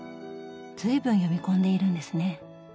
随分読み込んでいるんですね。